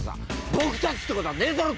「“僕たち”って事はねえだろ！